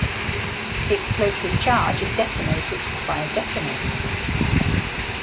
The explosive charge is detonated by a detonator.